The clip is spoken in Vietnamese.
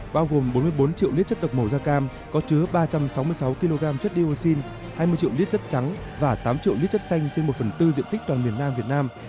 bao gồm bốn mươi bốn triệu lít chất độc màu da cam có chứa ba trăm sáu mươi sáu kg chất dioxin hai mươi triệu lít chất trắng và tám triệu lít chất xanh trên một phần tư diện tích toàn miền nam việt nam